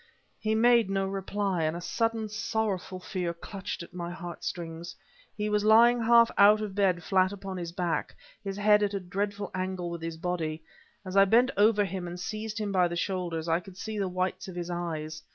He made no reply, and a sudden, sorrowful fear clutched at my heart strings. He was lying half out of bed flat upon his back, his head at a dreadful angle with his body. As I bent over him and seized him by the shoulders, I could see the whites of his eyes.